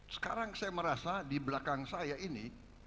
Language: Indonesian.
sekarang saya merasa di belakang saya ini